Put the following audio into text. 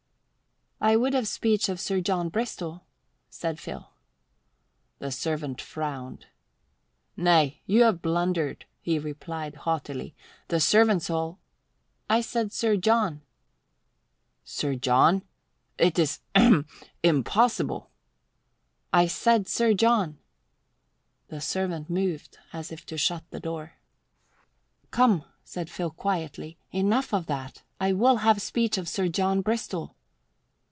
"I would have speech of Sir John Bristol," said Phil. The servant frowned. "Nay, you have blundered," he replied haughtily. "The servants' hall " "I said Sir John." "Sir John? It is ahem! impossible." "I said Sir John." The servant moved as if to shut the door. "Come," said Phil quietly, "enough of that! I will have speech of Sir John Bristol."